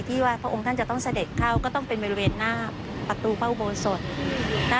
ที่ว่าอัพพระองค์ต้องจะต้องเสด็จเข้าก็ต้องเป็นบริเวณหน้าประตูเพ้าบทส่วน